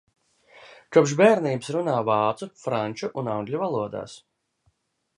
Kopš bērnības runā vācu, franču un angļu valodās.